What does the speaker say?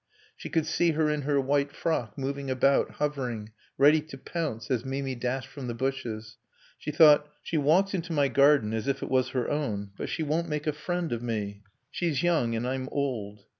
She could see her in her white frock, moving about, hovering, ready to pounce as Mimi dashed from the bushes. She thought: "She walks into my garden as if it was her own. But she won't make a friend of me. She's young, and I'm old."